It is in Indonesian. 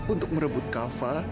untuk merebut kava